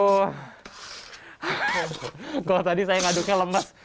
hahaha kalau tadi saya ngaduknya lemas